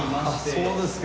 そうですか。